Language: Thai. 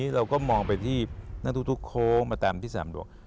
เราก็มองไปที่นั่นทุกโค้งมาตามที่สนามหลวง